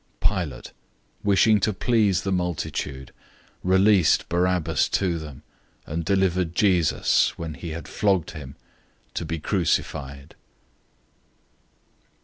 015:015 Pilate, wishing to please the multitude, released Barabbas to them, and handed over Jesus, when he had flogged him, to be crucified.